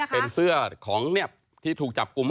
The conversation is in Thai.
เป็นเสื้อของเนี่ยที่ถูกจับกุม